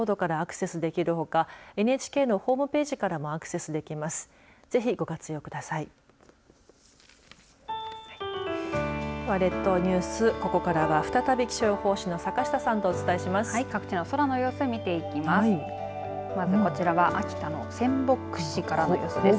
ここからは再び気象予報士の坂下さんとお伝えします。